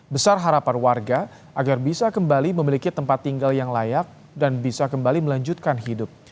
besar harapan warga agar bisa kembali memiliki tempat tinggal yang layak dan bisa kembali melanjutkan hidup